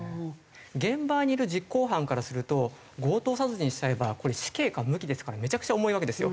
現場にいる実行犯からすると強盗殺人しちゃえばこれ死刑か無期ですからめちゃくちゃ重いわけですよ。